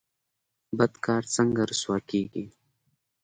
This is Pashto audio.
بد کار څنګه رسوا کیږي؟